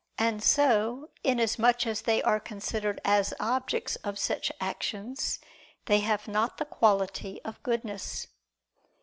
And so, inasmuch as they are considered as objects of such actions, they have not the quality of goodness.